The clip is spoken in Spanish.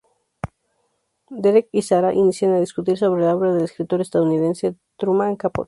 Derek y Sara inician a discutir sobre la obra del escritor estadounidense Truman Capote.